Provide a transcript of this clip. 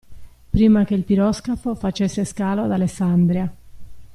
Prima che il piroscafo facesse scalo ad Alessandria.